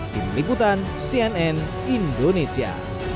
di melikutan cnn indonesia